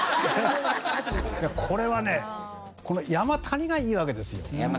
いやこれはね「山」「谷」がいいわけですよ。